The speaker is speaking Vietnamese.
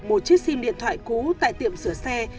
một chiếc sim điện thoại cũ tại tiệm sửa xe